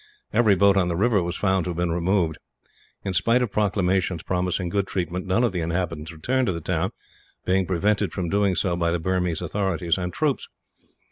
Every boat on the river was found to have been removed. In spite of proclamations promising good treatment, none of the inhabitants returned to the town, being prevented from doing so by the Burmese authorities and troops.